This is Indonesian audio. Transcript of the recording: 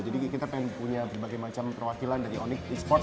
jadi kita pengen punya berbagai macam perwakilan dari onyx esports